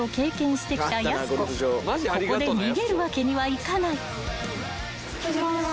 ［ここで逃げるわけにはいかない］・お願いします。